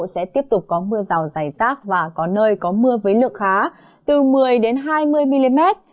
sẽ tiếp tục có mưa rào dài rác và có nơi có mưa với lượng khá từ một mươi hai mươi mm